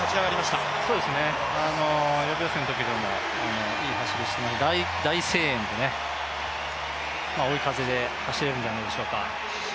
予備予選のときでもいい走りをしていて、大声援で追い風で走れるんじゃないでしょうか。